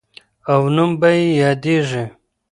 او نوم به یې یادیږي.